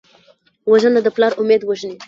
وژنه د پلار امید وژني